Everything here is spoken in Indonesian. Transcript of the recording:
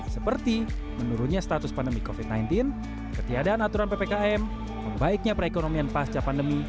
seperti menurunnya status pandemi covid sembilan belas ketiadaan aturan ppkm membaiknya perekonomian pasca pandemi